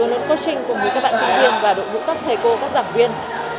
luôn luôn coaching cùng với các bạn sinh viên và đội ngũ các thầy cô các giảng viên